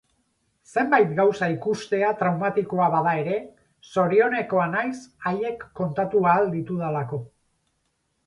Zenbait gauza ikustea traumatikoa bada ere, zorionekoa naiz haiek kontatu ahal ditudalako.